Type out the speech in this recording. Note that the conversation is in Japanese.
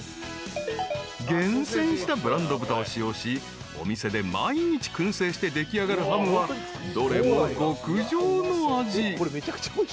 ［厳選したブランド豚を使用しお店で毎日薫製して出来上がるハムはどれも極上の味］